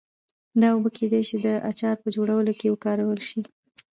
دا اوبه کېدای شي د اچار په جوړولو کې وکارول شي.